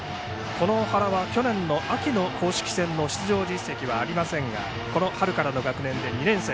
この原は去年の秋の公式戦の出場実績はありませんがこの春からの学年で２年生。